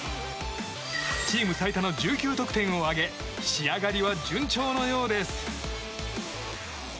チーム最多の１９得点を挙げ仕上がりは順調のようです。